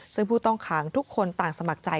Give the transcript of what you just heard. ซึ่งผู้ต้องขังทุกคนต่างสมัครใจ